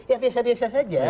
ya biasa biasa saja